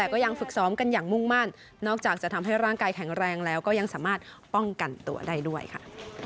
ก็ยังฝึกซ้อมกันอย่างมุ่งมั่นนอกจากจะทำให้ร่างกายแข็งแรงแล้วก็ยังสามารถป้องกันตัวได้ด้วยค่ะ